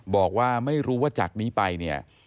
บอกว่าไม่รู้ว่าจากนี้ไปเนี่ย